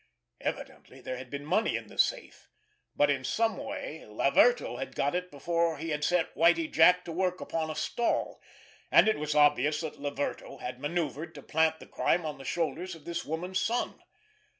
Evidently there had been money in the safe, but in some way Laverto had got it before he had set Whitie Jack at work upon a stall, and it was obvious that Laverto had maneuvered to plant the crime on the shoulders of this woman's son.